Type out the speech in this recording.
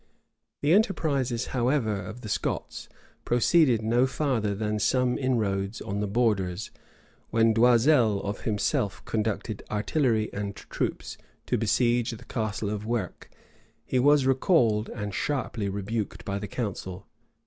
The enterprises however, of the Scots proceeded no farther than some inroads on the borders: when D'Oisel of himself conducted artillery and troops to besiege the Castle of Werke, he was recalled, and sharply rebuked by the council.